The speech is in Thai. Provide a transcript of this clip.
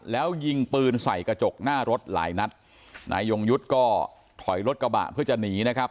แล้วยิงปืนใส่กระจกหน้ารถหลายนัดนายยงยุทธ์ก็ถอยรถกระบะเพื่อจะหนีนะครับ